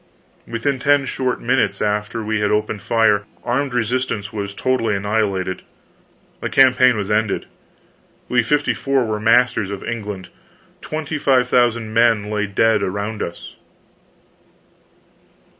Within ten short minutes after we had opened fire, armed resistance was totally annihilated, the campaign was ended, we fifty four were masters of England. Twenty five thousand men lay dead around us.